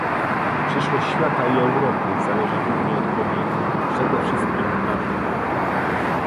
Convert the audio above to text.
Przyszłość świata i Europy zależy głównie od kobiet, przede wszystkim matek